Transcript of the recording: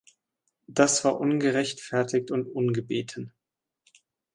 Das war ungerechtfertigt und ungebeten.